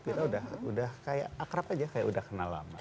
kita sudah kayak akrab saja sudah kenal lama